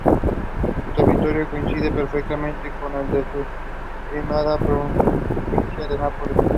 Su territorio coincide perfectamente con el de la suprimida Provincia de Nápoles.